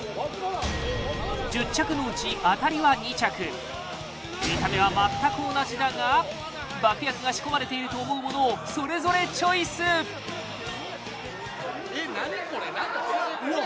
１０着のうち当たりは２着見た目は全く同じだが爆薬が仕込まれていると思うものをそれぞれチョイスえっ